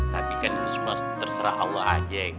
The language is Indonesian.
tapi kan itu semua terserah allah aja